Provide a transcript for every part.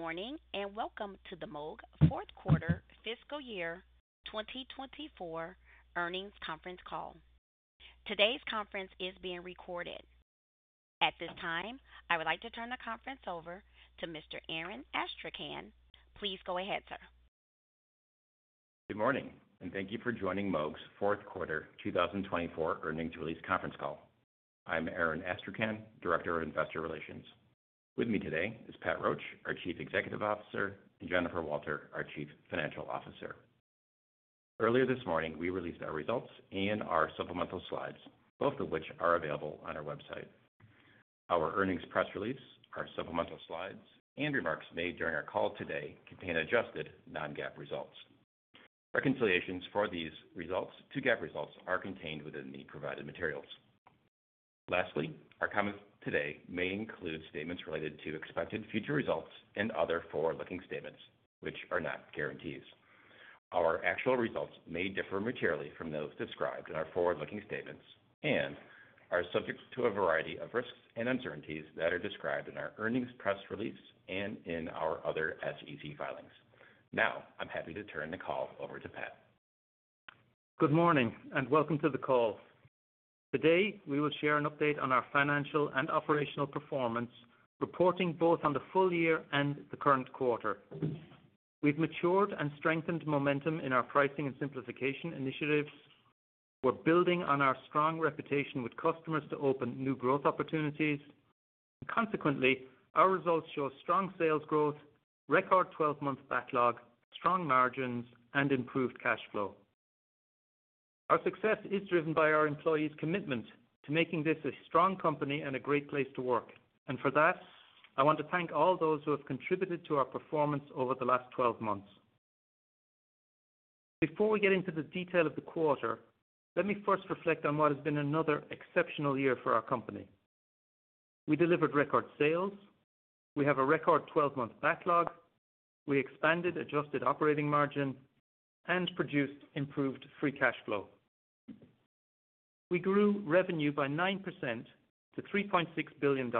Good morning and welcome to the Moog Fourth Quarter Fiscal Year 2024 Earnings Conference Call. Today's conference is being recorded. At this time, I would like to turn the conference over to Mr. Aaron Astrachan. Please go ahead, sir. Good morning, and thank you for joining Moog's Fourth Quarter 2024 Earnings Release Conference Call. I'm Aaron Astrachan, Director of Investor Relations. With me today is Pat Roche, our Chief Executive Officer, and Jennifer Walter, our Chief Financial Officer. Earlier this morning, we released our results and our supplemental slides, both of which are available on our website. Our earnings press release, our supplemental slides, and remarks made during our call today contain adjusted non-GAAP results. Reconciliations for these results to GAAP results are contained within the provided materials. Lastly, our comments today may include statements related to expected future results and other forward-looking statements, which are not guarantees. Our actual results may differ materially from those described in our forward-looking statements and are subject to a variety of risks and uncertainties that are described in our earnings press release and in our other SEC filings. Now, I'm happy to turn the call over to Pat. Good morning and welcome to the call. Today, we will share an update on our financial and operational performance, reporting both on the full year and the current quarter. We've matured and strengthened momentum in our pricing and simplification initiatives. We're building on our strong reputation with customers to open new growth opportunities. Consequently, our results show strong sales growth, record 12-month backlog, strong margins, and improved cash flow. Our success is driven by our employees' commitment to making this a strong company and a great place to work, and for that, I want to thank all those who have contributed to our performance over the last 12 months. Before we get into the detail of the quarter, let me first reflect on what has been another exceptional year for our company. We delivered record sales. We have a record 12-month backlog. We expanded adjusted operating margin and produced improved free cash flow. We grew revenue by 9% to $3.6 billion.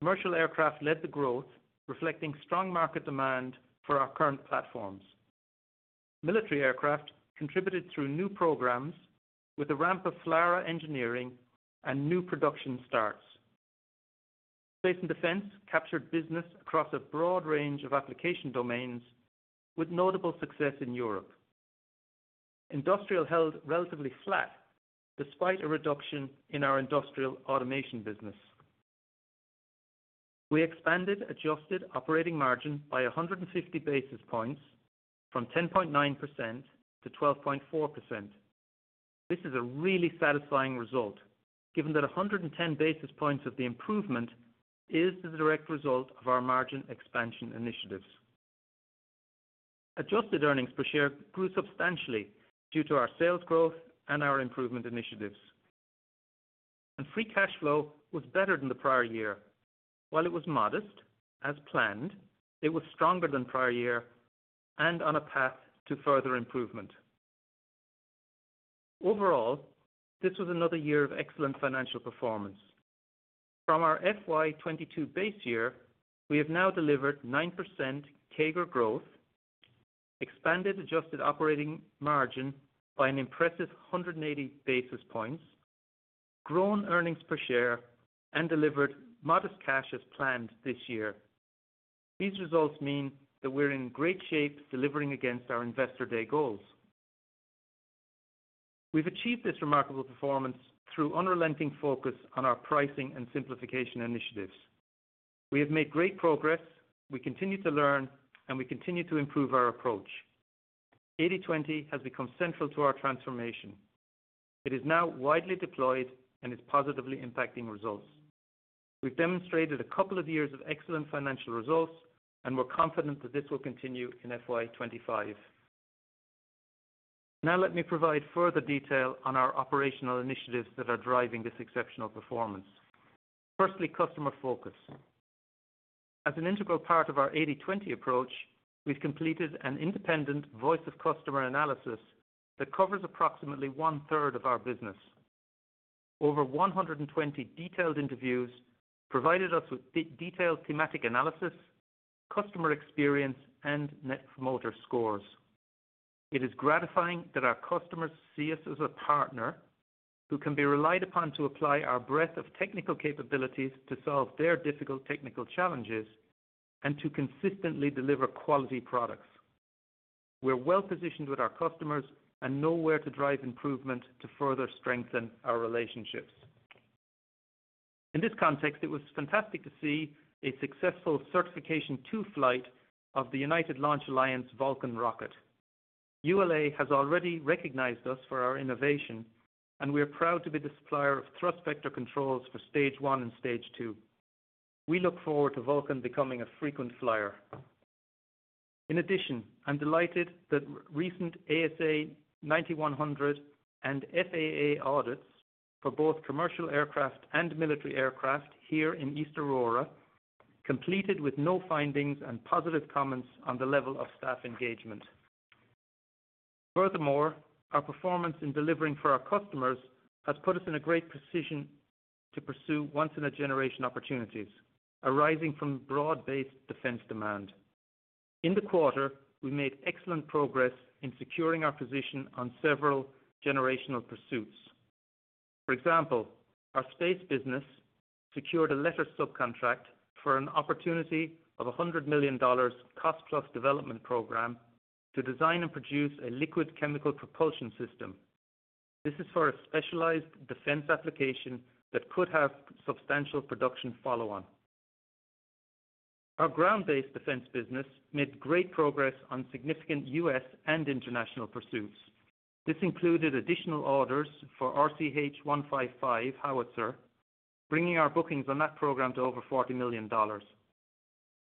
Commercial aircraft led the growth, reflecting strong market demand for our current platforms. Military aircraft contributed through new programs with a ramp of FLRAA engineering and new production starts. Space and defense captured business across a broad range of application domains with notable success in Europe. Industrial held relatively flat despite a reduction in our industrial automation business. We expanded adjusted operating margin by 150 basis points from 10.9% to 12.4%. This is a really satisfying result given that 110 basis points of the improvement is the direct result of our margin expansion initiatives. Adjusted earnings per share grew substantially due to our sales growth and our improvement initiatives, and free cash flow was better than the prior year. While it was modest, as planned, it was stronger than prior year and on a path to further improvement. Overall, this was another year of excellent financial performance. From our FY 2022 base year, we have now delivered 9% CAGR growth, expanded adjusted operating margin by an impressive 180 basis points, grown earnings per share, and delivered modest cash as planned this year. These results mean that we're in great shape delivering against our investor day goals. We've achieved this remarkable performance through unrelenting focus on our pricing and simplification initiatives. We have made great progress. We continue to learn, and we continue to improve our approach. 80/20 has become central to our transformation. It is now widely deployed and is positively impacting results. We've demonstrated a couple of years of excellent financial results, and we're confident that this will continue in FY 2025. Now, let me provide further detail on our operational initiatives that are driving this exceptional performance. Firstly, customer focus. As an integral part of our 80/20 approach, we've completed an independent voice of customer analysis that covers approximately one-third of our business. Over 120 detailed interviews provided us with detailed thematic analysis, customer experience, and net promoter scores. It is gratifying that our customers see us as a partner who can be relied upon to apply our breadth of technical capabilities to solve their difficult technical challenges and to consistently deliver quality products. We're well-positioned with our customers and know where to drive improvement to further strengthen our relationships. In this context, it was fantastic to see a successful certification two-flight of the United Launch Alliance Vulcan rocket. ULA has already recognized us for our innovation, and we're proud to be the supplier of thrust vector controls for stage one and stage two. We look forward to Vulcan becoming a frequent flyer. In addition, I'm delighted that recent AS9100 and FAA audits for both commercial aircraft and military aircraft here in East Aurora completed with no findings and positive comments on the level of staff engagement. Furthermore, our performance in delivering for our customers has put us in a great position to pursue once-in-a-generation opportunities arising from broad-based defense demand. In the quarter, we made excellent progress in securing our position on several generational pursuits. For example, our space business secured a letter subcontract for an opportunity of $100 million cost-plus development program to design and produce a liquid chemical propulsion system. This is for a specialized defense application that could have substantial production follow-on. Our ground-based defense business made great progress on significant U.S. and international pursuits. This included additional orders for RCH 155 Howitzer, bringing our bookings on that program to over $40 million.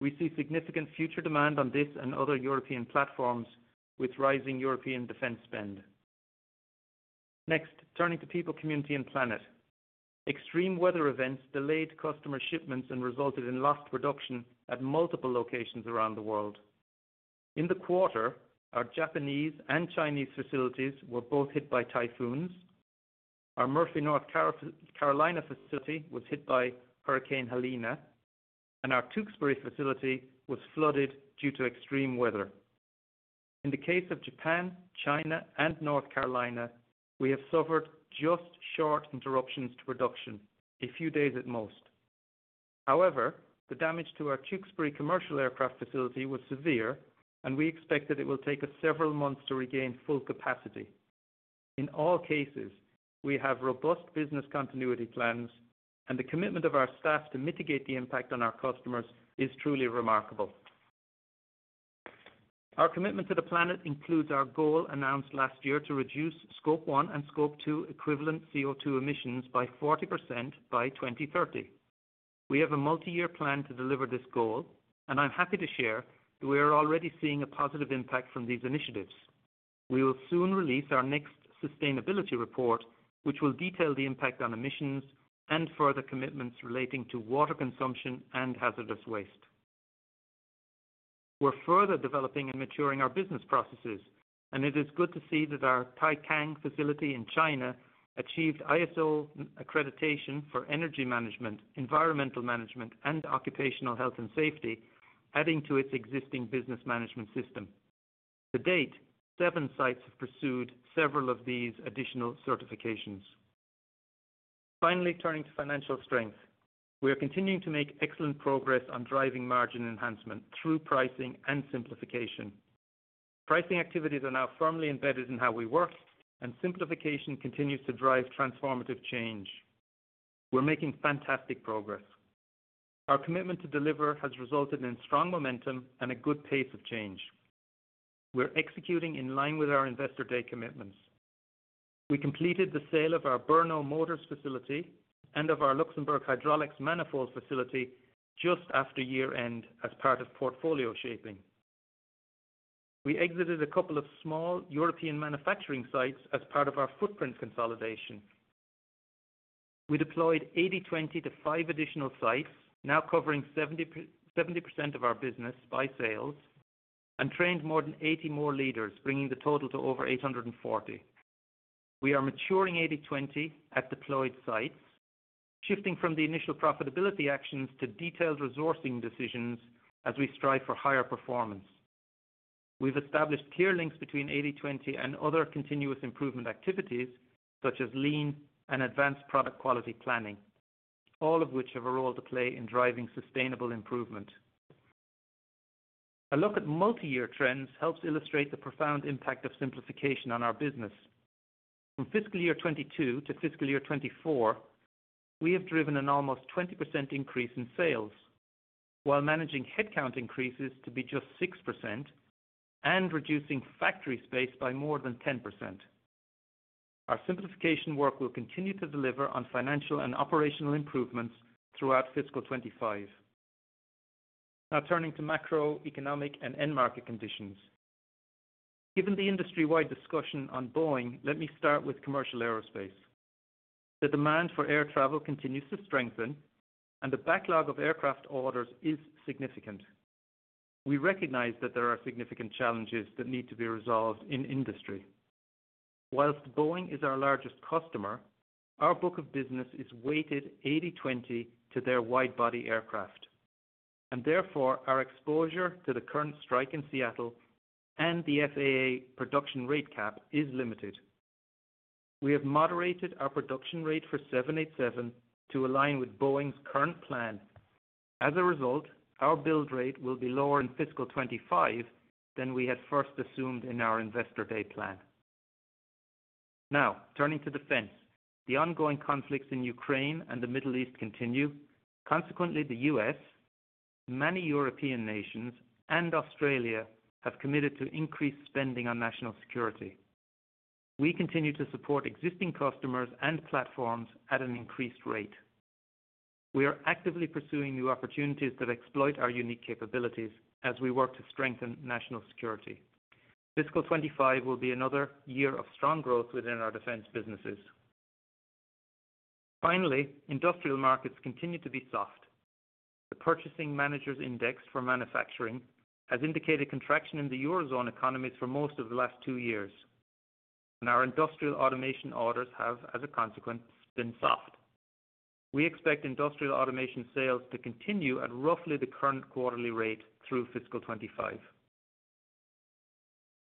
We see significant future demand on this and other European platforms with rising European defense spend. Next, turning to people, community, and planet. Extreme weather events delayed customer shipments and resulted in lost production at multiple locations around the world. In the quarter, our Japanese and Chinese facilities were both hit by typhoons. Our Murphy, North Carolina facility was hit by Hurricane Helene, and our Tewkesbury facility was flooded due to extreme weather. In the case of Japan, China, and North Carolina, we have suffered just short interruptions to production, a few days at most. However, the damage to our Tewkesbury commercial aircraft facility was severe, and we expect that it will take us several months to regain full capacity. In all cases, we have robust business continuity plans, and the commitment of our staff to mitigate the impact on our customers is truly remarkable. Our commitment to the planet includes our goal announced last year to reduce Scope 1 and Scope 2 equivalent CO2 emissions by 40% by 2030. We have a multi-year plan to deliver this goal, and I'm happy to share that we are already seeing a positive impact from these initiatives. We will soon release our next sustainability report, which will detail the impact on emissions and further commitments relating to water consumption and hazardous waste. We're further developing and maturing our business processes, and it is good to see that our Taicang facility in China achieved ISO accreditation for energy management, environmental management, and occupational health and safety, adding to its existing business management system. To date, seven sites have pursued several of these additional certifications. Finally, turning to financial strength. We are continuing to make excellent progress on driving margin enhancement through pricing and simplification. Pricing activities are now firmly embedded in how we work, and simplification continues to drive transformative change. We're making fantastic progress. Our commitment to deliver has resulted in strong momentum and a good pace of change. We're executing in line with our investor day commitments. We completed the sale of our Brno Motors facility and of our Luxembourg Hydraulics manifold facility just after year-end as part of portfolio shaping. We exited a couple of small European manufacturing sites as part of our footprint consolidation. We deployed 80/20 to five additional sites, now covering 70% of our business by sales, and trained more than 80 more leaders, bringing the total to over 840. We are maturing 80/20 at deployed sites, shifting from the initial profitability actions to detailed resourcing decisions as we strive for higher performance. We've established clear links between 80/20 and other continuous improvement activities such as lean and advanced product quality planning, all of which have a role to play in driving sustainable improvement. A look at multi-year trends helps illustrate the profound impact of simplification on our business. From fiscal year 2022 to fiscal year 2024, we have driven an almost 20% increase in sales while managing headcount increases to be just 6% and reducing factory space by more than 10%. Our simplification work will continue to deliver on financial and operational improvements throughout fiscal year 2025. Now, turning to macroeconomic and end market conditions. Given the industry-wide discussion on Boeing, let me start with commercial aerospace. The demand for air travel continues to strengthen, and the backlog of aircraft orders is significant. We recognize that there are significant challenges that need to be resolved in industry. While Boeing is our largest customer, our book of business is weighted 80/20 to their wide-body aircraft. And therefore, our exposure to the current strike in Seattle and the FAA production rate cap is limited. We have moderated our production rate for 787 to align with Boeing's current plan. As a result, our build rate will be lower in fiscal 2025 than we had first assumed in our investor day plan. Now, turning to defense. The ongoing conflicts in Ukraine and the Middle East continue. Consequently, the U.S., many European nations, and Australia have committed to increased spending on national security. We continue to support existing customers and platforms at an increased rate. We are actively pursuing new opportunities that exploit our unique capabilities as we work to strengthen national security. Fiscal '25 will be another year of strong growth within our defense businesses. Finally, industrial markets continue to be soft. The purchasing managers' index for manufacturing has indicated contraction in the Eurozone economies for most of the last two years, and our industrial automation orders have, as a consequence, been soft. We expect industrial automation sales to continue at roughly the current quarterly rate through fiscal '25.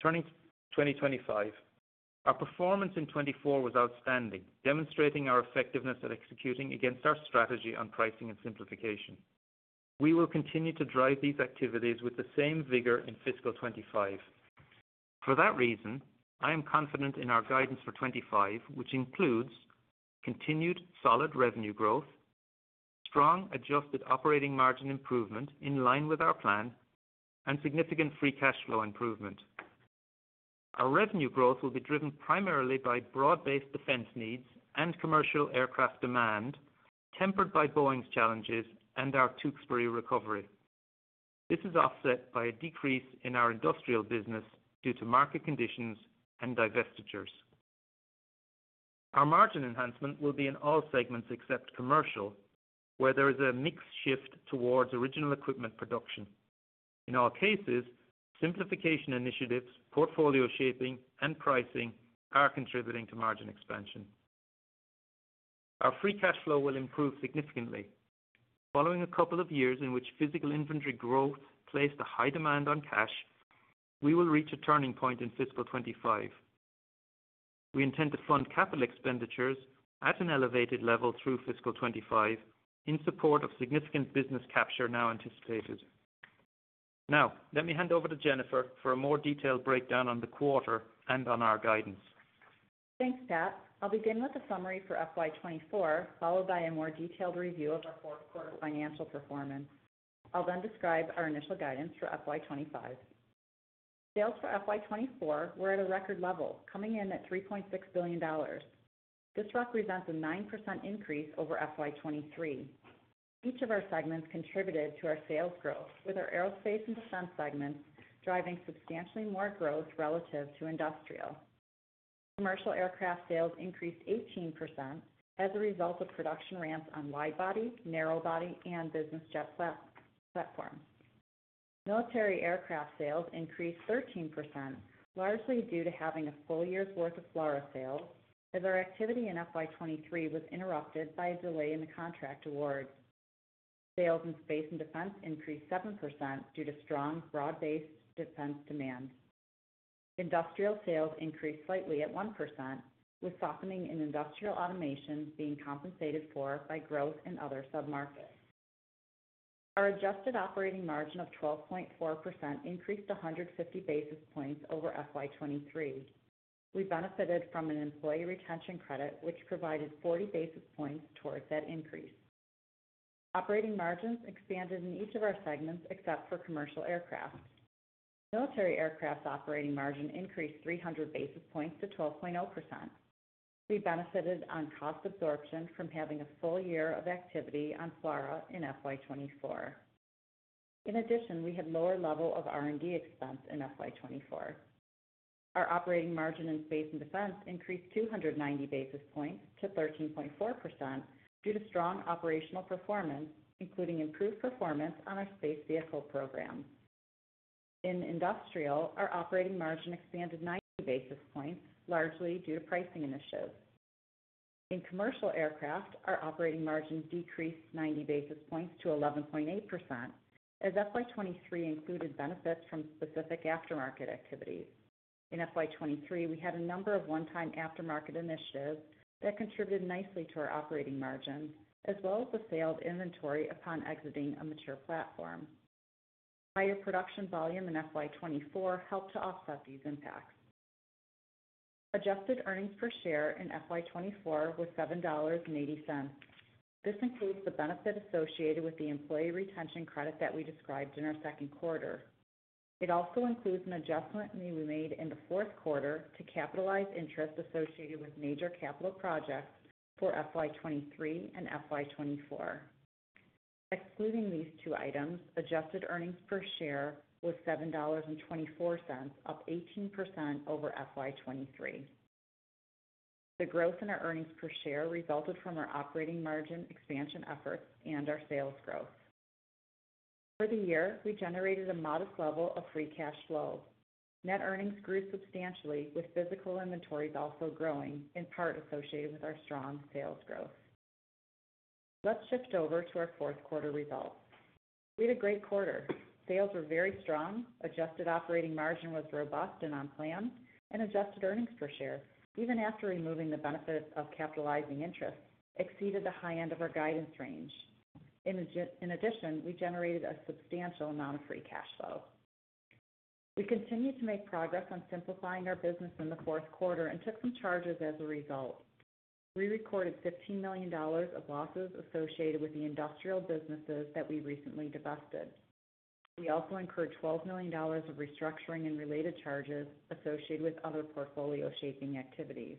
Turning to 2025, our performance in '24 was outstanding, demonstrating our effectiveness at executing against our strategy on pricing and simplification. We will continue to drive these activities with the same vigor in fiscal '25. For that reason, I am confident in our guidance for 2025, which includes continued solid revenue growth, strong adjusted operating margin improvement in line with our plan, and significant free cash flow improvement. Our revenue growth will be driven primarily by broad-based defense needs and commercial aircraft demand tempered by Boeing's challenges and our Tewkesbury recovery. This is offset by a decrease in our industrial business due to market conditions and divestitures. Our margin enhancement will be in all segments except commercial, where there is a mixed shift towards original equipment production. In all cases, simplification initiatives, portfolio shaping, and pricing are contributing to margin expansion. Our free cash flow will improve significantly. Following a couple of years in which physical inventory growth placed a high demand on cash, we will reach a turning point in fiscal 2025. We intend to fund capital expenditures at an elevated level through fiscal 2025 in support of significant business capture now anticipated. Now, let me hand over to Jennifer for a more detailed breakdown on the quarter and on our guidance. Thanks, Scott. I'll begin with a summary for FY 2024, followed by a more detailed review of our fourth quarter financial performance. I'll then describe our initial guidance for FY 2025. Sales for FY 2024 were at a record level, coming in at $3.6 billion. This represents a 9% increase over FY 2023. Each of our segments contributed to our sales growth, with our aerospace and defense segments driving substantially more growth relative to industrial. Commercial aircraft sales increased 18% as a result of production ramps on wide-body, narrow-body, and business jet platforms. Military aircraft sales increased 13%, largely due to having a full year's worth of FLRAA sales, as our activity in FY 2023 was interrupted by a delay in the contract awards. Sales in space and defense increased 7% due to strong broad-based defense demand. Industrial sales increased slightly at 1%, with softening in industrial automation being compensated for by growth in other submarkets. Our adjusted operating margin of 12.4% increased 150 basis points over FY 2023. We benefited from an employee retention credit, which provided 40 basis points towards that increase. Operating margins expanded in each of our segments except for commercial aircraft. Military aircraft operating margin increased 300 basis points to 12.0%. We benefited on cost absorption from having a full year of activity on FLRAA in FY 2024. In addition, we had lower level of R&D expense in FY 2024. Our operating margin in space and defense increased 290 basis points to 13.4% due to strong operational performance, including improved performance on our space vehicle program. In industrial, our operating margin expanded 90 basis points, largely due to pricing initiatives. In commercial aircraft, our operating margin decreased 90 basis points to 11.8%, as FY 2023 included benefits from specific aftermarket activities. In FY 2023, we had a number of one-time aftermarket initiatives that contributed nicely to our operating margin, as well as the sale of inventory upon exiting a mature platform. Higher production volume in FY 2024 helped to offset these impacts. Adjusted earnings per share in FY 2024 was $7.80. This includes the benefit associated with the employee retention credit that we described in our second quarter. It also includes an adjustment we made in the fourth quarter to capitalize interest associated with major capital projects for FY 2023 and FY 2024. Excluding these two items, adjusted earnings per share was $7.24, up 18% over FY 2023. The growth in our earnings per share resulted from our operating margin expansion efforts and our sales growth. Over the year, we generated a modest level of free cash flow. Net earnings grew substantially, with physical inventories also growing, in part associated with our strong sales growth. Let's shift over to our fourth quarter results. We had a great quarter. Sales were very strong. Adjusted operating margin was robust and on plan, and adjusted earnings per share, even after removing the benefit of capitalizing interest, exceeded the high end of our guidance range. In addition, we generated a substantial amount of free cash flow. We continued to make progress on simplifying our business in the fourth quarter and took some charges as a result. We recorded $15 million of losses associated with the industrial businesses that we recently divested. We also incurred $12 million of restructuring and related charges associated with other portfolio shaping activities.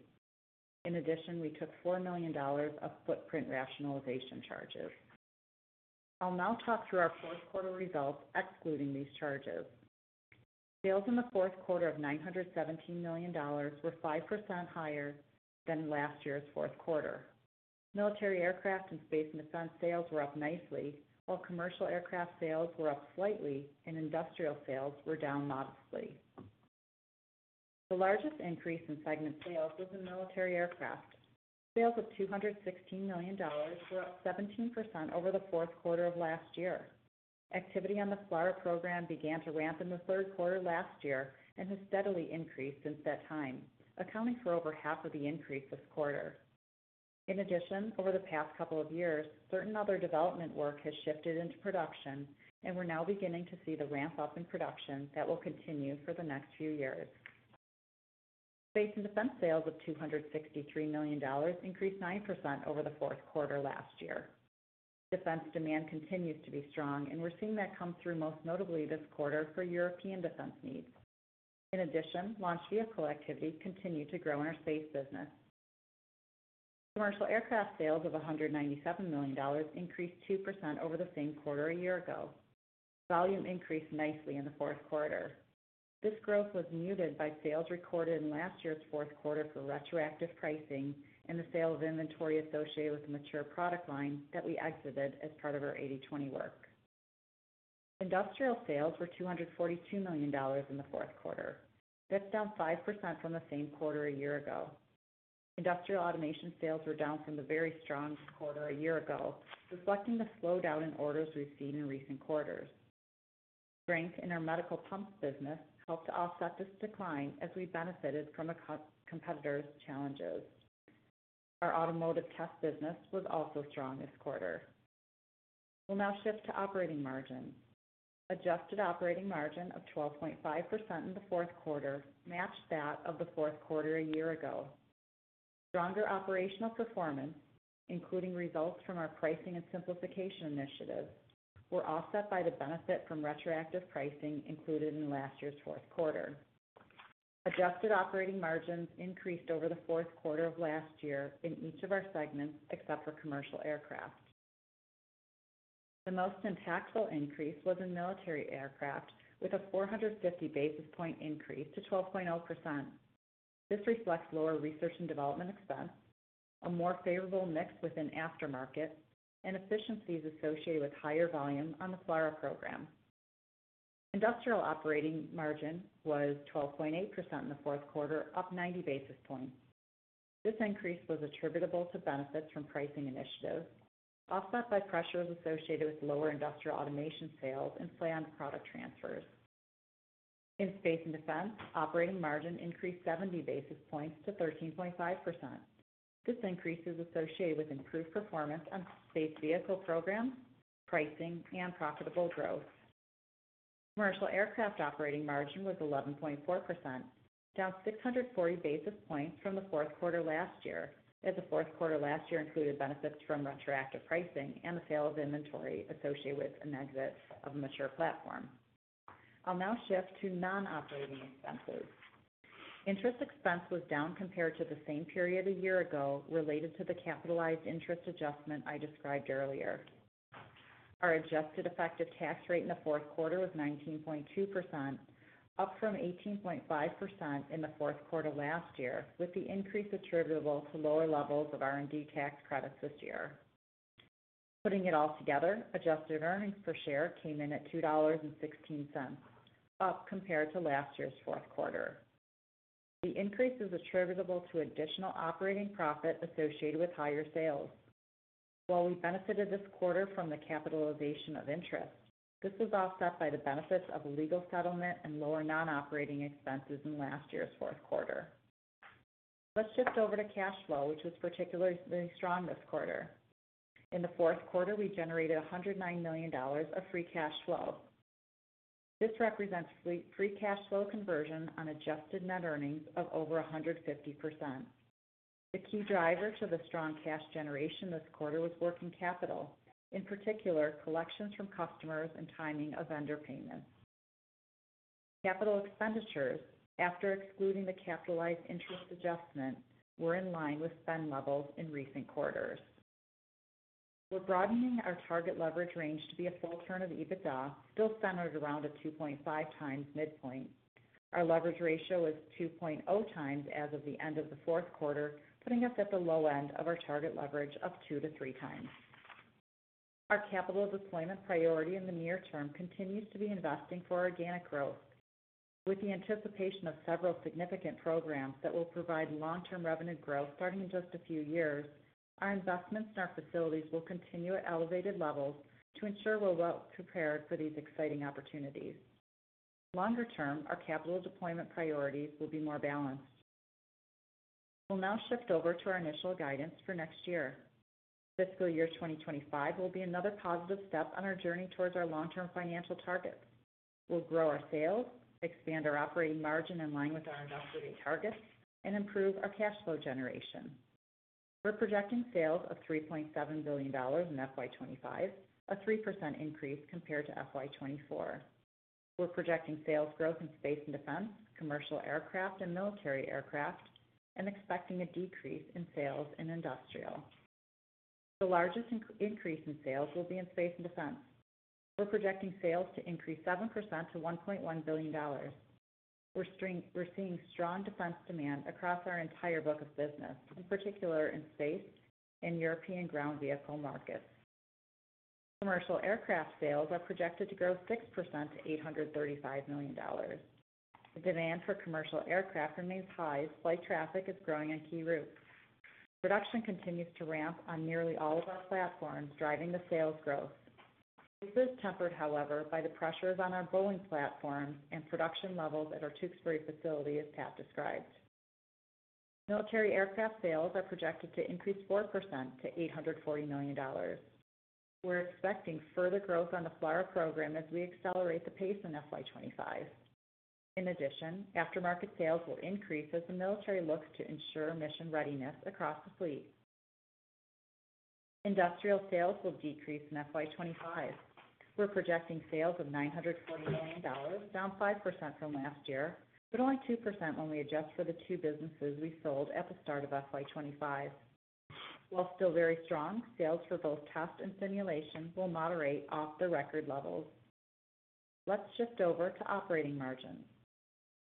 In addition, we took $4 million of footprint rationalization charges. I'll now talk through our fourth quarter results, excluding these charges. Sales in the fourth quarter of $917 million were 5% higher than last year's fourth quarter. Military aircraft and space and defense sales were up nicely, while commercial aircraft sales were up slightly, and industrial sales were down modestly. The largest increase in segment sales was in military aircraft. Sales of $216 million were up 17% over the fourth quarter of last year. Activity on the FLRAA program began to ramp in the third quarter last year and has steadily increased since that time, accounting for over half of the increase this quarter. In addition, over the past couple of years, certain other development work has shifted into production, and we're now beginning to see the ramp-up in production that will continue for the next few years. Space and defense sales of $263 million increased 9% over the fourth quarter last year. Defense demand continues to be strong, and we're seeing that come through most notably this quarter for European defense needs. In addition, launch vehicle activity continued to grow in our space business. Commercial aircraft sales of $197 million increased 2% over the same quarter a year ago. Volume increased nicely in the fourth quarter. This growth was muted by sales recorded in last year's fourth quarter for retroactive pricing and the sale of inventory associated with the mature product line that we exited as part of our 80/20 work. Industrial sales were $242 million in the fourth quarter. That's down 5% from the same quarter a year ago. Industrial automation sales were down from the very strong quarter a year ago, reflecting the slowdown in orders we've seen in recent quarters. Strength in our medical pumps business helped to offset this decline as we benefited from competitors' challenges. Our automotive test business was also strong this quarter. We'll now shift to operating margin. Adjusted operating margin of 12.5% in the fourth quarter matched that of the fourth quarter a year ago. Stronger operational performance, including results from our pricing and simplification initiatives, were offset by the benefit from retroactive pricing included in last year's fourth quarter. Adjusted operating margins increased over the fourth quarter of last year in each of our segments except for commercial aircraft. The most impactful increase was in military aircraft, with a 450 basis points increase to 12.0%. This reflects lower research and development expense, a more favorable mix within aftermarket, and efficiencies associated with higher volume on the FLRAA program. Industrial operating margin was 12.8% in the fourth quarter, up 90 basis points. This increase was attributable to benefits from pricing initiatives, offset by pressures associated with lower industrial automation sales and planned product transfers. In space and defense, operating margin increased 70 basis points to 13.5%. This increase is associated with improved performance on space vehicle programs, pricing, and profitable growth. Commercial aircraft operating margin was 11.4%, down 640 basis points from the fourth quarter last year, as the fourth quarter last year included benefits from retroactive pricing and the sale of inventory associated with an exit of a mature platform. I'll now shift to non-operating expenses. Interest expense was down compared to the same period a year ago related to the capitalized interest adjustment I described earlier. Our adjusted effective tax rate in the fourth quarter was 19.2%, up from 18.5% in the fourth quarter last year, with the increase attributable to lower levels of R&D tax credits this year. Putting it all together, adjusted earnings per share came in at $2.16, up compared to last year's fourth quarter. The increase is attributable to additional operating profit associated with higher sales. While we benefited this quarter from the capitalization of interest, this was offset by the benefits of legal settlement and lower non-operating expenses in last year's fourth quarter. Let's shift over to cash flow, which was particularly strong this quarter. In the fourth quarter, we generated $109 million of free cash flow. This represents free cash flow conversion on adjusted net earnings of over 150%. The key driver to the strong cash generation this quarter was working capital, in particular collections from customers and timing of vendor payments. Capital expenditures, after excluding the capitalized interest adjustment, were in line with spend levels in recent quarters. We're broadening our target leverage range to be a full turn of EBITDA, still centered around a 2.5 times midpoint. Our leverage ratio is 2.0 times as of the end of the fourth quarter, putting us at the low end of our target leverage of 2 to 3 times. Our capital deployment priority in the near term continues to be investing for organic growth. With the anticipation of several significant programs that will provide long-term revenue growth starting in just a few years, our investments in our facilities will continue at elevated levels to ensure we're well prepared for these exciting opportunities. Longer term, our capital deployment priorities will be more balanced. We'll now shift over to our initial guidance for next year. Fiscal year 2025 will be another positive step on our journey towards our long-term financial targets. We'll grow our sales, expand our operating margin in line with our investment targets, and improve our cash flow generation. We're projecting sales of $3.7 billion in FY 2025, a 3% increase compared to FY 2024. We're projecting sales growth in space and defense, commercial aircraft, and military aircraft, and expecting a decrease in sales in industrial. The largest increase in sales will be in space and defense. We're projecting sales to increase 7% to $1.1 billion. We're seeing strong defense demand across our entire book of business, in particular in space and European ground vehicle markets. Commercial aircraft sales are projected to grow 6% to $835 million. The demand for commercial aircraft remains high as flight traffic is growing on key routes. Production continues to ramp on nearly all of our platforms, driving the sales growth. This is tempered, however, by the pressures on our Boeing platforms and production levels at our Tewkesbury facility, as Pat described. Military aircraft sales are projected to increase 4% to $840 million. We're expecting further growth on the FLRAA program as we accelerate the pace in FY 2025. In addition, aftermarket sales will increase as the military looks to ensure mission readiness across the fleet. Industrial sales will decrease in FY 2025. We're projecting sales of $940 million, down 5% from last year, but only 2% when we adjust for the two businesses we sold at the start of FY 2025. While still very strong, sales for both test and simulation will moderate off the record levels. Let's shift over to operating margin.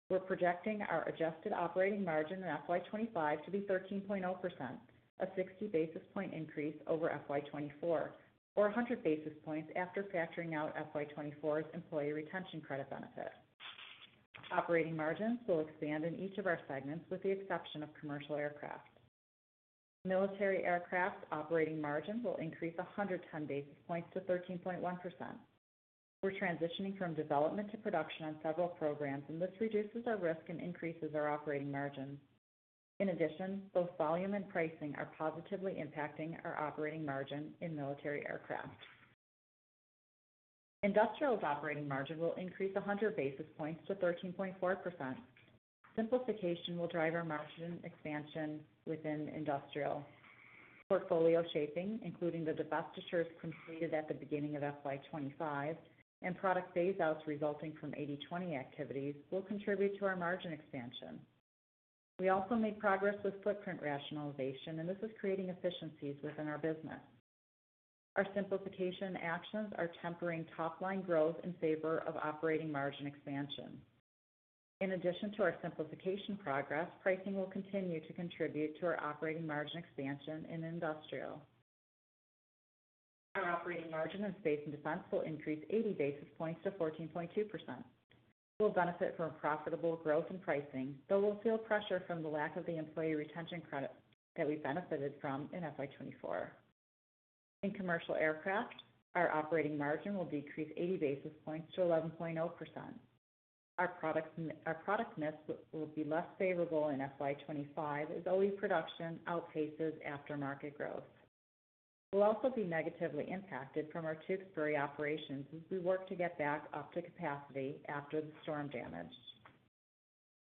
We're projecting our adjusted operating margin in FY 2025 to be 13.0%, a 60 basis point increase over FY 2024, or 100 basis points after factoring out FY 2024's employee retention credit benefit. Operating margins will expand in each of our segments with the exception of commercial aircraft. Military aircraft operating margin will increase 110 basis points to 13.1%. We're transitioning from development to production on several programs, and this reduces our risk and increases our operating margin. In addition, both volume and pricing are positively impacting our operating margin in military aircraft. Industrial's operating margin will increase 100 basis points to 13.4%. Simplification will drive our margin expansion within industrial. Portfolio shaping, including the divestitures completed at the beginning of FY 2025 and product phase-outs resulting from 80/20 activities, will contribute to our margin expansion. We also made progress with footprint rationalization, and this is creating efficiencies within our business. Our simplification actions are tempering top-line growth in favor of operating margin expansion. In addition to our simplification progress, pricing will continue to contribute to our operating margin expansion in industrial. Our operating margin in space and defense will increase 80 basis points to 14.2%. We'll benefit from profitable growth in pricing, though we'll feel pressure from the lack of the employee retention credit that we benefited from in FY 2024. In commercial aircraft, our operating margin will decrease 80 basis points to 11.0%. Our product mix will be less favorable in FY 2025 as OE production outpaces aftermarket growth. We'll also be negatively impacted from our Tewkesbury operations as we work to get back up to capacity after the storm damage.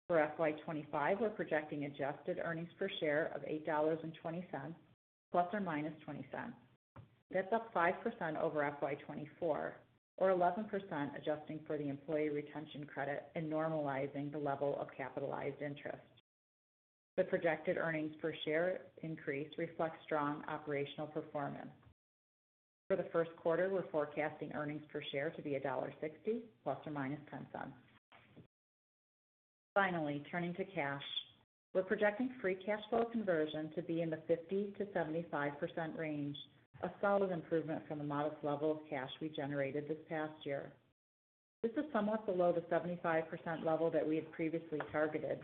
For FY 2025, we're projecting adjusted earnings per share of $8.20, plus or minus $0.20. That's up 5% over FY 2024, or 11% adjusting for the employee retention credit and normalizing the level of capitalized interest. The projected earnings per share increase reflects strong operational performance. For the first quarter, we're forecasting earnings per share to be $1.60, plus or minus $0.10. Finally, turning to cash, we're projecting free cash flow conversion to be in the 50%-75% range, a solid improvement from the modest level of cash we generated this past year. This is somewhat below the 75% level that we had previously targeted.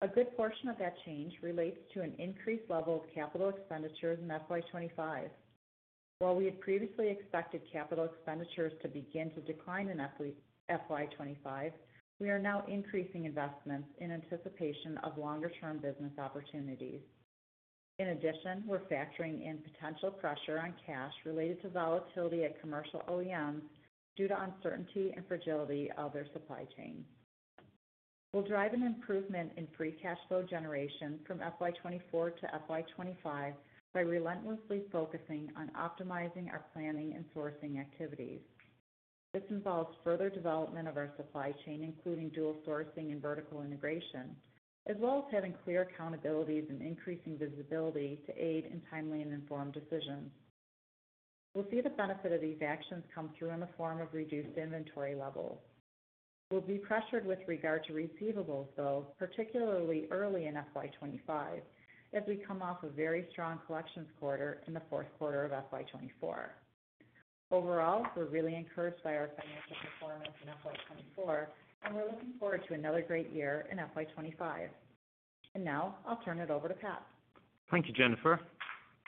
A good portion of that change relates to an increased level of capital expenditures in FY 2025. While we had previously expected capital expenditures to begin to decline in FY 2025, we are now increasing investments in anticipation of longer-term business opportunities. In addition, we're factoring in potential pressure on cash related to volatility at commercial OEMs due to uncertainty and fragility of their supply chains. We'll drive an improvement in free cash flow generation from FY 2024 to FY 2025 by relentlessly focusing on optimizing our planning and sourcing activities. This involves further development of our supply chain, including dual sourcing and vertical integration, as well as having clear accountabilities and increasing visibility to aid in timely and informed decisions. We'll see the benefit of these actions come through in the form of reduced inventory levels. We'll be pressured with regard to receivables, though, particularly early in FY 2025, as we come off a very strong collections quarter in the fourth quarter of FY 2024. Overall, we're really encouraged by our financial performance in FY 2024, and we're looking forward to another great year in FY 2025. And now, I'll turn it over to Pat. Thank you, Jennifer.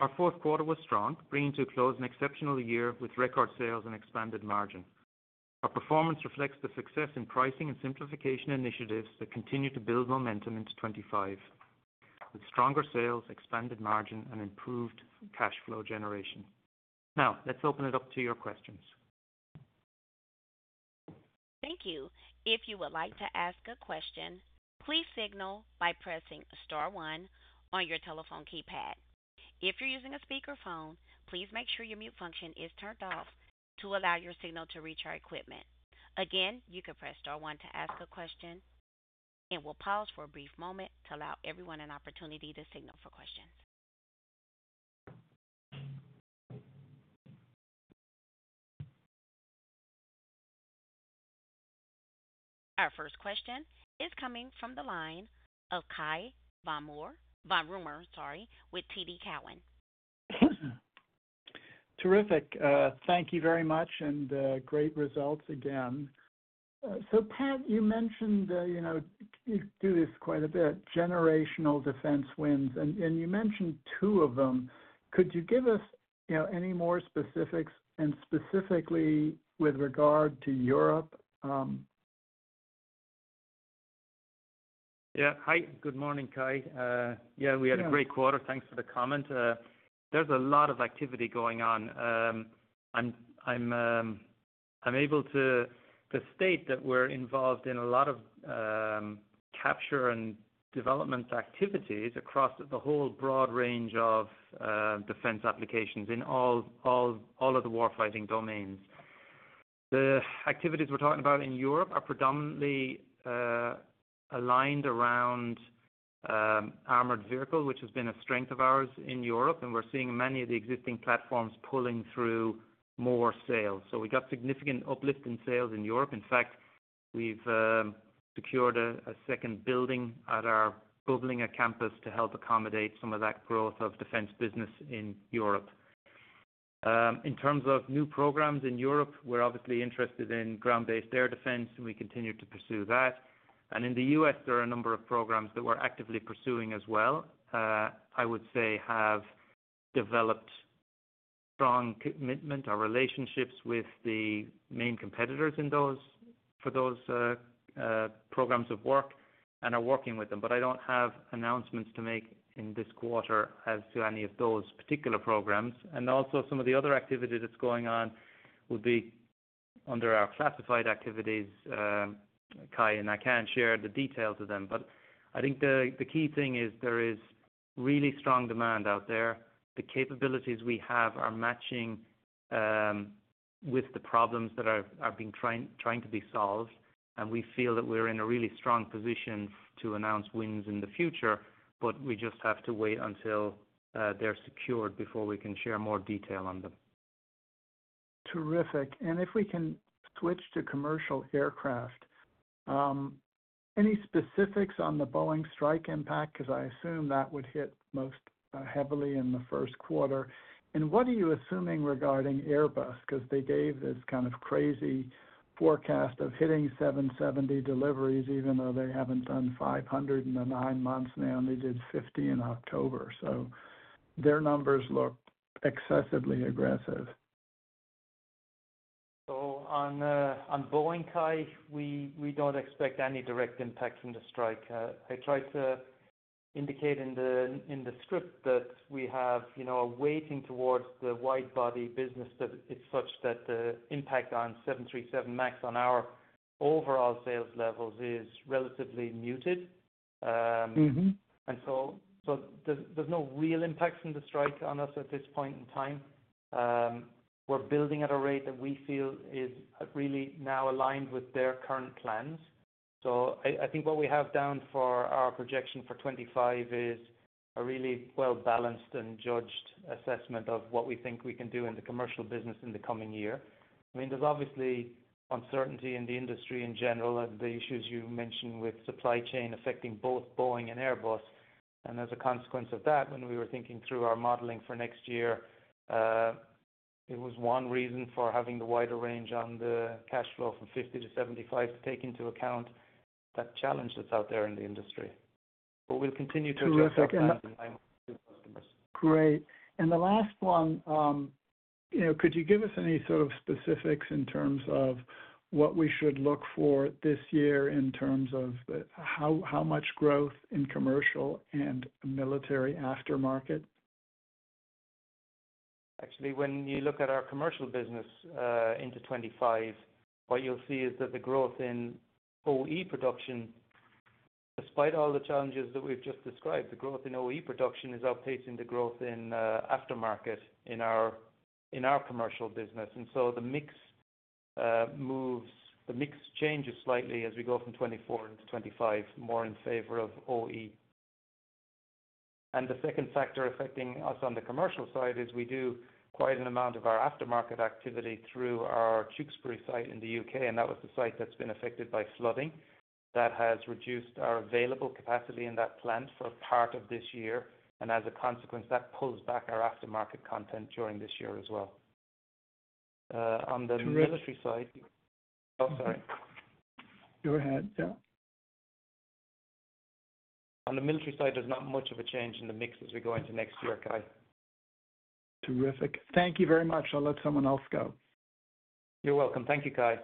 Our fourth quarter was strong, bringing to a close an exceptional year with record sales and expanded margin. Our performance reflects the success in pricing and simplification initiatives that continue to build momentum into 2025, with stronger sales, expanded margin, and improved cash flow generation. Now, let's open it up to your questions. Thank you. If you would like to ask a question, please signal by pressing Star 1 on your telephone keypad. If you're using a speakerphone, please make sure your mute function is turned off to allow your signal to reach our equipment. Again, you can press Star 1 to ask a question, and we'll pause for a brief moment to allow everyone an opportunity to signal for questions. Our first question is coming from the line of Cai von Rumohr, sorry, with TD Cowen. Terrific. Thank you very much and great results again. So, Pat, you mentioned you do this quite a bit, generational defense wins, and you mentioned two of them. Could you give us any more specifics and specifically with regard to Europe? Yeah. Hi. Good morning, Cai. Yeah, we had a great quarter. Thanks for the comment. There's a lot of activity going on. I'm able to state that we're involved in a lot of capture and development activities across the whole broad range of defense applications in all of the warfighting domains. The activities we're talking about in Europe are predominantly aligned around armored vehicle, which has been a strength of ours in Europe, and we're seeing many of the existing platforms pulling through more sales. So we got significant uplift in sales in Europe. In fact, we've secured a second building at our Böblingen campus to help accommodate some of that growth of defense business in Europe. In terms of new programs in Europe, we're obviously interested in ground-based air defense, and we continue to pursue that. And in the U.S., there are a number of programs that we're actively pursuing as well. I would say have developed strong commitment, our relationships with the main competitors for those programs of work, and are working with them. But I don't have announcements to make in this quarter as to any of those particular programs. And also, some of the other activity that's going on would be under our classified activities. Cai and I can't share the details of them, but I think the key thing is there is really strong demand out there. The capabilities we have are matching with the problems that are being tried to be solved, and we feel that we're in a really strong position to announce wins in the future, but we just have to wait until they're secured before we can share more detail on them. Terrific. And if we can switch to commercial aircraft, any specifics on the Boeing strike impact? Because I assume that would hit most heavily in the first quarter. And what are you assuming regarding Airbus? Because they gave this kind of crazy forecast of hitting 770 deliveries, even though they haven't done 500 in the nine months now, and they did 50 in October. So their numbers look excessively aggressive. So on Boeing, Cai, we don't expect any direct impact from the strike. I tried to indicate in the script that we have a weighting towards the wide-body business, that it's such that the impact on 737 MAX on our overall sales levels is relatively muted, so there's no real impact from the strike on us at this point in time. We're building at a rate that we feel is really now aligned with their current plans. I think what we have down for our projection for 2025 is a really well-balanced and judged assessment of what we think we can do in the commercial business in the coming year. I mean, there's obviously uncertainty in the industry in general and the issues you mentioned with supply chain affecting both Boeing and Airbus. And as a consequence of that, when we were thinking through our modeling for next year, it was one reason for having the wider range on the cash flow from $50-$75 to take into account that challenge that's out there in the industry. But we'll continue to address that with customers. Great. And the last one, could you give us any sort of specifics in terms of what we should look for this year in terms of how much growth in commercial and military aftermarket? Actually, when you look at our commercial business into 2025, what you'll see is that the growth in OE production, despite all the challenges that we've just described, the growth in OE production is outpacing the growth in aftermarket in our commercial business. And so the mix changes slightly as we go from 2024 into 2025, more in favor of OE. And the second factor affecting us on the commercial side is we do quite an amount of our aftermarket activity through our Tewkesbury site in the U.K., and that was the site that's been affected by flooding. That has reduced our available capacity in that plant for part of this year, and as a consequence, that pulls back our aftermarket content during this year as well. On the military side. Terrific. Oh, sorry. Go ahead. Yeah. On the military side, there's not much of a change in the mix as we go into next year, Cai. Terrific. Thank you very much. I'll let someone else go. You're welcome. Thank you, Cai.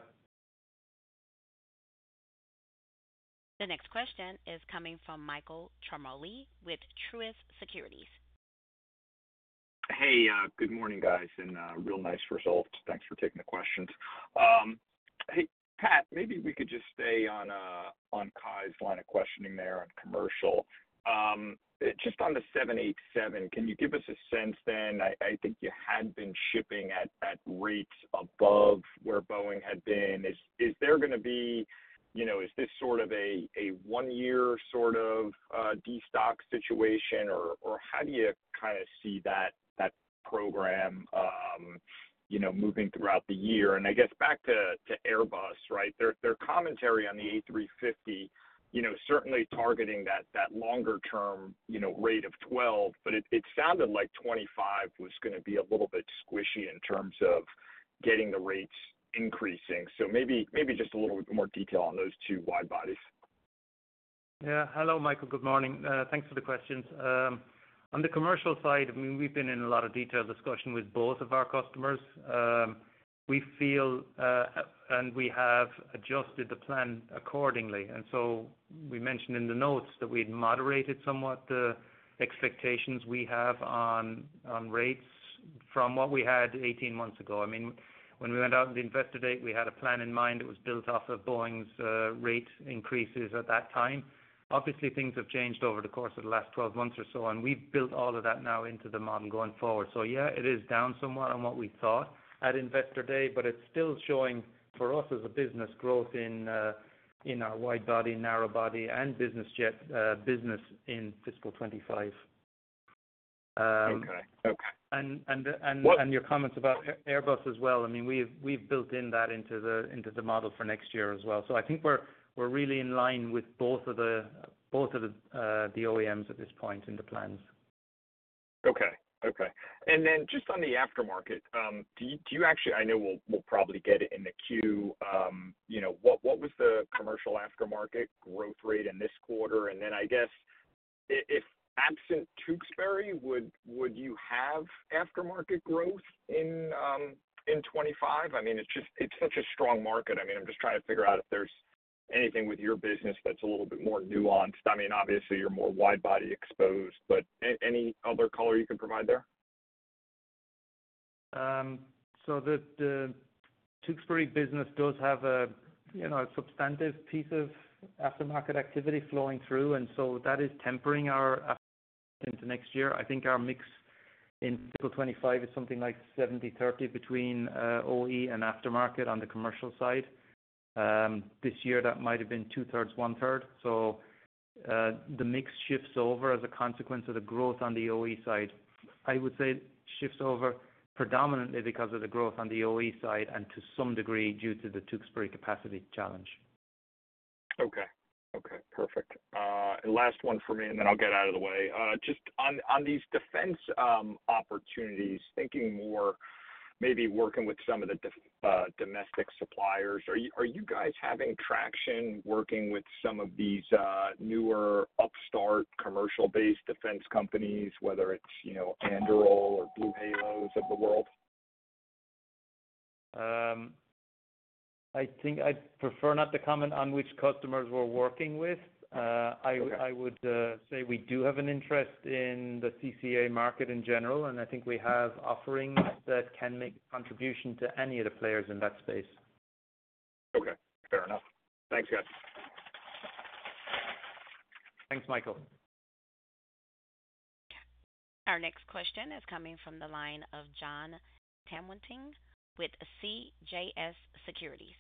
The next question is coming from Michael Ciarmoli with Truist Securities. Hey, good morning, guys, and real nice result. Thanks for taking the questions. Hey, Pat, maybe we could just stay on Cai's line of questioning there on commercial. Just on the 787, can you give us a sense then? I think you had been shipping at rates above where Boeing had been. Is this sort of a one-year sort of destock situation, or how do you kind of see that program moving throughout the year? And I guess back to Airbus, right? Their commentary on the A350, certainly targeting that longer-term rate of 12, but it sounded like 2025 was going to be a little bit squishy in terms of getting the rates increasing. So maybe just a little bit more detail on those two wide bodies. Yeah. Hello, Michael. Good morning. Thanks for the questions. On the commercial side, I mean, we've been in a lot of detailed discussion with both of our customers. We feel and we have adjusted the plan accordingly. And so we mentioned in the notes that we'd moderated somewhat the expectations we have on rates from what we had 18 months ago. I mean, when we went out on the investor day, we had a plan in mind that was built off of Boeing's rate increases at that time. Obviously, things have changed over the course of the last 12 months or so, and we've built all of that now into the model going forward. So yeah, it is down somewhat on what we thought at investor day, but it's still showing for us as a business growth in our wide-body, narrow-body, and business jet business in fiscal 2025. Okay. Okay. And your comments about Airbus as well, I mean, we've built in that into the model for next year as well. So I think we're really in line with both of the OEMs at this point in the plans. Okay. Okay. And then just on the aftermarket, do you actually, I know we'll probably get it in the queue, what was the commercial aftermarket growth rate in this quarter? And then I guess, absent Tewkesbury, would you have aftermarket growth in 2025? I mean, it's such a strong market. I mean, I'm just trying to figure out if there's anything with your business that's a little bit more nuanced. I mean, obviously, you're more wide-body exposed, but any other color you can provide there? So the Tewkesbury business does have a substantive piece of aftermarket activity flowing through, and so that is tempering our aftermarket into next year. I think our mix in fiscal 2025 is something like 70/30 between OE and aftermarket on the commercial side. This year, that might have been two-thirds, one-third. So the mix shifts over as a consequence of the growth on the OE side. I would say it shifts over predominantly because of the growth on the OE side and to some degree due to the Tewkesbury capacity challenge. Okay. Okay. Perfect. Last one for me, and then I'll get out of the way. Just on these defense opportunities, thinking more maybe working with some of the domestic suppliers, are you guys having traction working with some of these newer upstart commercial-based defense companies, whether it's Anduril or BlueHalo of the world? I think I'd prefer not to comment on which customers we're working with. I would say we do have an interest in the CCA market in general, and I think we have offerings that can make a contribution to any of the players in that space. Okay. Fair enough. Thanks, guys. Thanks, Michael. Okay. Our next question is coming from the line of Jon Tanwanteng with CJS Securities.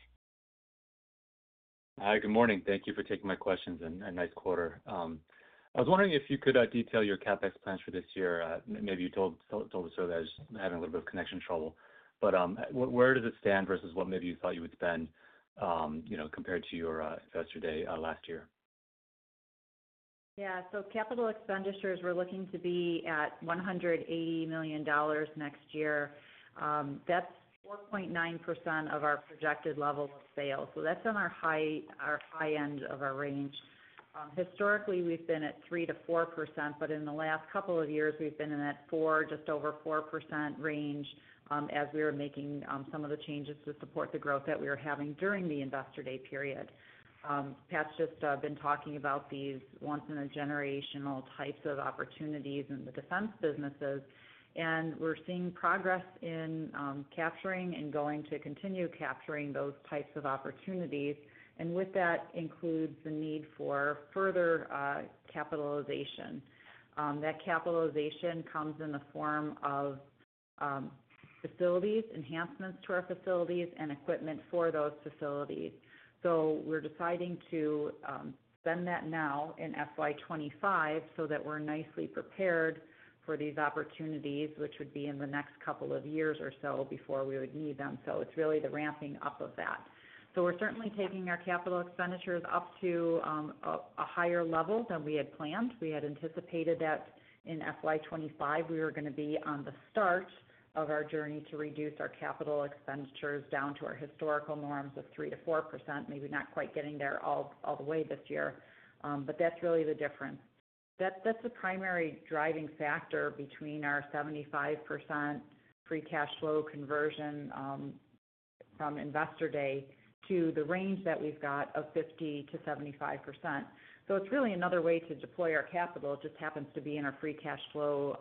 Hi. Good morning. Thank you for taking my questions in a nice quarter. I was wondering if you could detail your CapEx plans for this year. Maybe you told us earlier. I was having a little bit of connection trouble, but where does it stand versus what maybe you thought you would spend compared to your investor day last year? Yeah, so capital expenditures, we're looking to be at $180 million next year. That's 4.9% of our projected level of sales. So that's on our high end of our range. Historically, we've been at 3%-4%, but in the last couple of years, we've been in that just over 4% range as we were making some of the changes to support the growth that we were having during the investor day period. Pat's just been talking about these once-in-a-generational types of opportunities in the defense businesses, and we're seeing progress in capturing and going to continue capturing those types of opportunities, and with that includes the need for further capitalization. That capitalization comes in the form of facilities, enhancements to our facilities, and equipment for those facilities, so we're deciding to spend that now in FY 2025 so that we're nicely prepared for these opportunities, which would be in the next couple of years or so before we would need them, so it's really the ramping up of that. We're certainly taking our capital expenditures up to a higher level than we had planned. We had anticipated that in FY 2025, we were going to be on the start of our journey to reduce our capital expenditures down to our historical norms of 3%-4%, maybe not quite getting there all the way this year. But that's really the difference. That's the primary driving factor between our 75% free cash flow conversion from investor day to the range that we've got of 50%-75%. So it's really another way to deploy our capital. It just happens to be in our free cash flow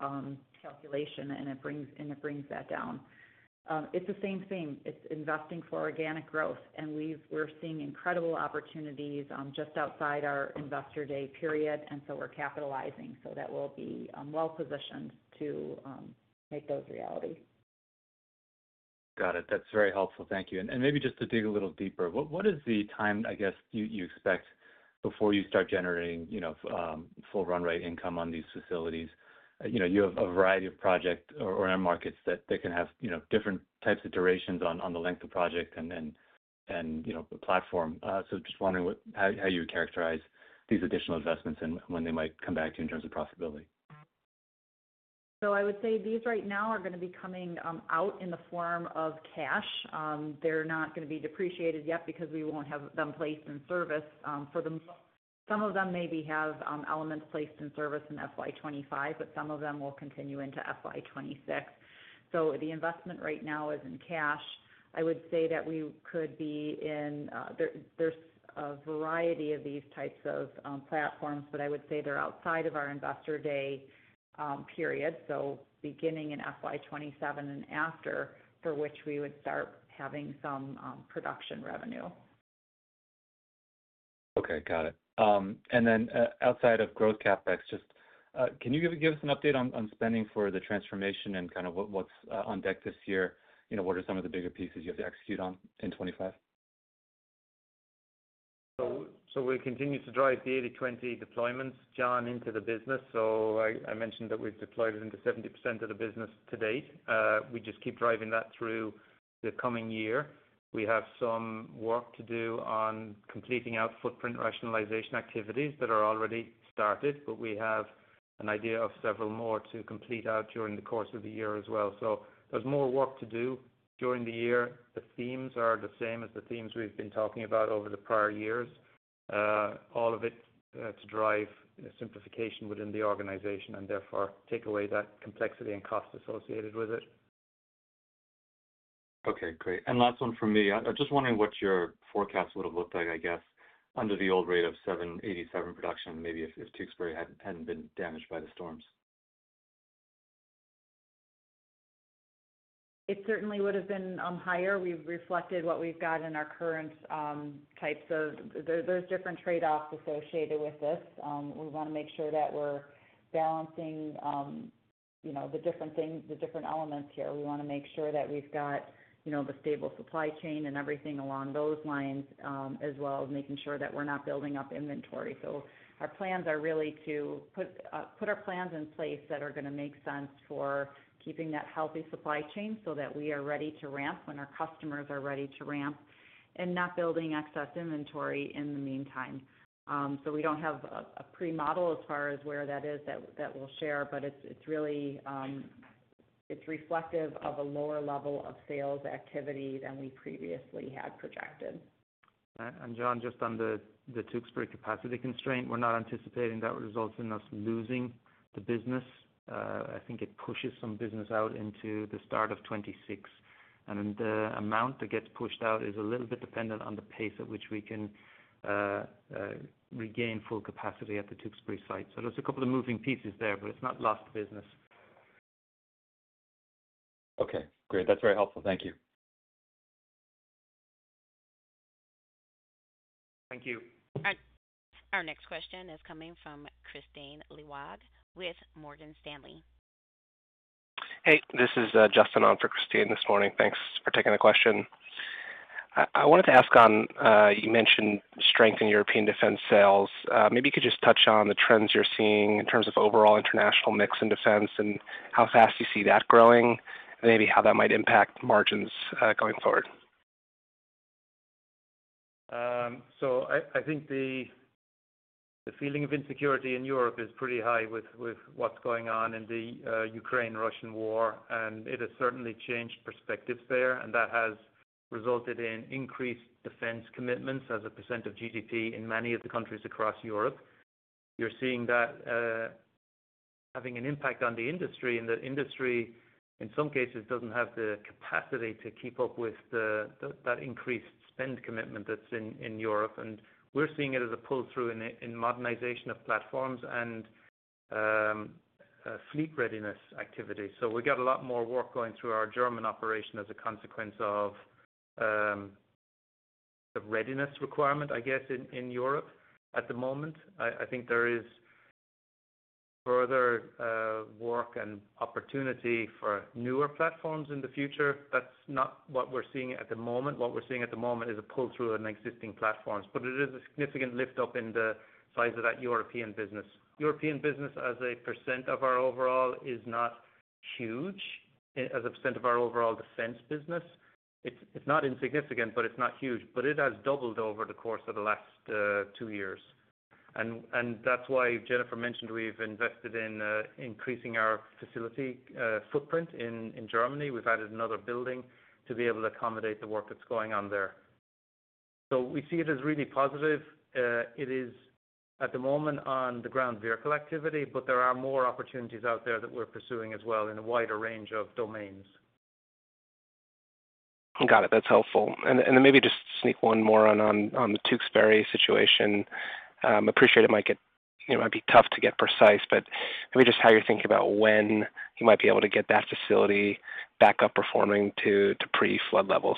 calculation, and it brings that down. It's the same thing. It's investing for organic growth, and we're seeing incredible opportunities just outside our investor day period, and so we're capitalizing. So that will be well-positioned to make those a reality. Got it. That's very helpful. Thank you. And maybe just to dig a little deeper, what is the time, I guess, you expect before you start generating full run rate income on these facilities? You have a variety of projects or markets that can have different types of durations on the length of project and the platform. So just wondering how you would characterize these additional investments and when they might come back to you in terms of profitability. So I would say these right now are going to be coming out in the form of cash. They're not going to be depreciated yet because we won't have them placed in service. Some of them maybe have elements placed in service in FY 2025, but some of them will continue into FY 2026. So the investment right now is in cash. I would say that we could be in. There's a variety of these types of platforms, but I would say they're outside of our investor day period, so beginning in FY 2027 and after, for which we would start having some production revenue. Okay. Got it. And then outside of growth CapEx, just can you give us an update on spending for the transformation and kind of what's on deck this year? What are some of the bigger pieces you have to execute on in 2025? So we continue to drive the 80/20 deployments, John, into the business. So I mentioned that we've deployed into 70% of the business to date. We just keep driving that through the coming year. We have some work to do on completing our footprint rationalization activities that are already started, but we have an idea of several more to complete our during the course of the year as well. So there's more work to do during the year. The themes are the same as the themes we've been talking about over the prior years, all of it to drive simplification within the organization and therefore take away that complexity and cost associated with it. Okay. Great. And last one for me. I'm just wondering what your forecast would have looked like, I guess, under the old rate of 787 production, maybe if Tewkesbury hadn't been damaged by the storms. It certainly would have been higher. We've reflected what we've got in our current forecast. There's different trade-offs associated with this. We want to make sure that we're balancing the different elements here. We want to make sure that we've got the stable supply chain and everything along those lines, as well as making sure that we're not building up inventory, so our plans are really to put our plans in place that are going to make sense for keeping that healthy supply chain so that we are ready to ramp when our customers are ready to ramp and not building excess inventory in the meantime, so we don't have a pre-model as far as where that is that we'll share, but it's reflective of a lower level of sales activity than we previously had projected. And John, just on the Tewkesbury capacity constraint, we're not anticipating that results in us losing the business. I think it pushes some business out into the start of 2026. And the amount that gets pushed out is a little bit dependent on the pace at which we can regain full capacity at the Tewkesbury site. So there's a couple of moving pieces there, but it's not lost business. Okay. Great. That's very helpful. Thank you. Thank you. Our next question is coming from Kristine Liwag with Morgan Stanley. Hey, this is Justin on for Kristine this morning. Thanks for taking the question. I wanted to ask on you mentioned strength in European defense sales. Maybe you could just touch on the trends you're seeing in terms of overall international mix in defense and how fast you see that growing, maybe how that might impact margins going forward. So I think the feeling of insecurity in Europe is pretty high with what's going on in the Ukraine-Russian war, and it has certainly changed perspectives there, and that has resulted in increased defense commitments as a percent of GDP in many of the countries across Europe. You're seeing that having an impact on the industry and the industry, in some cases, doesn't have the capacity to keep up with that increased spend commitment that's in Europe. And we're seeing it as a pull-through in modernization of platforms and fleet readiness activity. So we've got a lot more work going through our German operation as a consequence of the readiness requirement, I guess, in Europe at the moment. I think there is further work and opportunity for newer platforms in the future. That's not what we're seeing at the moment. What we're seeing at the moment is a pull-through on existing platforms, but it is a significant lift-up in the size of that European business. European business as a percent of our overall is not huge as a percent of our overall defense business. It's not insignificant, but it's not huge. But it has doubled over the course of the last two years. And that's why Jennifer mentioned we've invested in increasing our facility footprint in Germany. We've added another building to be able to accommodate the work that's going on there. So we see it as really positive. It is, at the moment, on the ground vehicle activity, but there are more opportunities out there that we're pursuing as well in a wider range of domains. Got it. That's helpful. And then maybe just sneak one more on the Tewkesbury situation. Appreciate it might be tough to get precise, but maybe just how you're thinking about when you might be able to get that facility back up performing to pre-flood levels.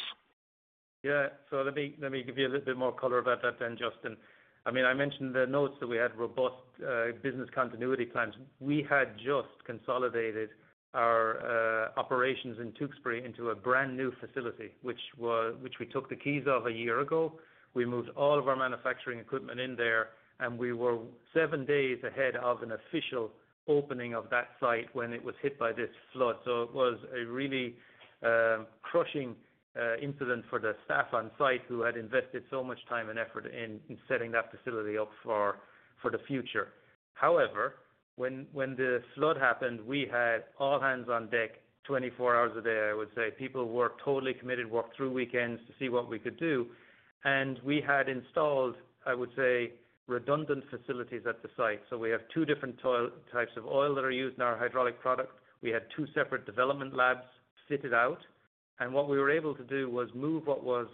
Yeah, so let me give you a little bit more color about that then, Justin. I mean, I mentioned the notes that we had robust business continuity plans. We had just consolidated our operations in Tewkesbury into a brand new facility, which we took the keys of a year ago. We moved all of our manufacturing equipment in there, and we were seven days ahead of an official opening of that site when it was hit by this flood, so it was a really crushing incident for the staff on site who had invested so much time and effort in setting that facility up for the future. However, when the flood happened, we had all hands on deck 24 hours a day, I would say. People were totally committed, worked through weekends to see what we could do. And we had installed, I would say, redundant facilities at the site. So we have two different types of oil that are used in our hydraulic product. We had two separate development labs fitted out. And what we were able to do was move what was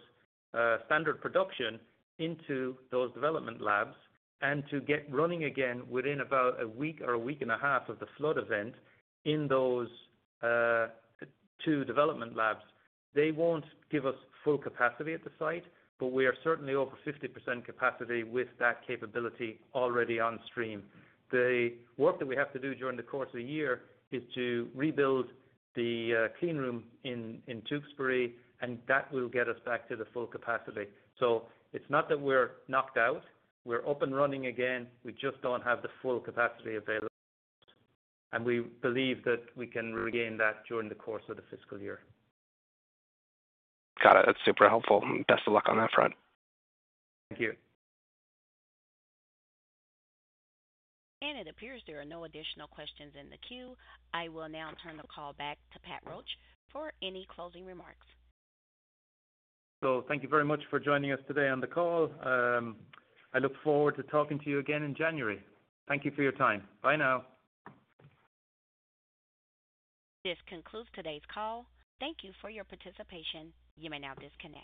standard production into those development labs and to get running again within about a week or a week and a half of the flood event in those two development labs. They won't give us full capacity at the site, but we are certainly over 50% capacity with that capability already on stream. The work that we have to do during the course of the year is to rebuild the cleanroom in Tewkesbury, and that will get us back to the full capacity. So it's not that we're knocked out. We're up and running again. We just don't have the full capacity available. And we believe that we can regain that during the course of the fiscal year. Got it. That's super helpful. Best of luck on that front. Thank you. And it appears there are no additional questions in the queue. I will now turn the call back to Pat Roche for any closing remarks. So thank you very much for joining us today on the call. I look forward to talking to you again in January. Thank you for your time. Bye now. This concludes today's call. Thank you for your participation. You may now disconnect.